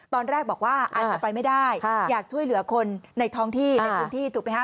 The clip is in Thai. ตอนแรกบอกว่าอันออกไปไม่ได้อยากช่วยเหลือคนในท้องที่ถูกไหมฮะ